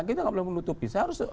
kita gak boleh menutupi